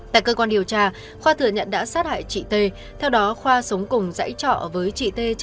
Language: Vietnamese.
tại cơ quan điều tra khoa thừa nhận đã sát hại chị tê